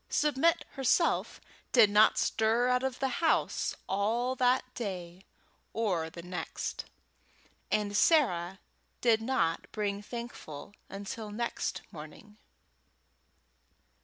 Submit herself did not stir out of the house all that day or the next, and Sarah did not bring Thankful until next morning.